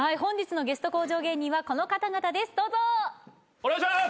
お願いします。